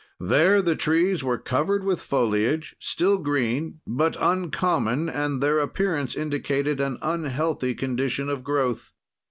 "There the trees were covered with foliage, still green but uncommon, and their appearance indicated an unhealthy condition of growth.